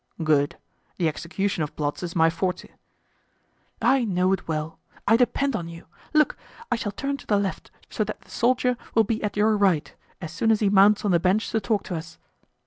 "Good, the execution of plots is my forte." "I know it well. I depend on you. Look, I shall turn to the left, so that the soldier will be at your right, as soon as he mounts on the bench to talk to us."